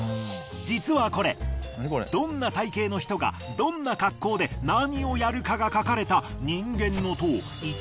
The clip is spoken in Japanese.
実はこれどんな体形の人がどんな恰好で何をやるかが書かれた。